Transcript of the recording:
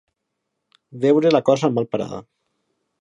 Veure la cosa mal parada.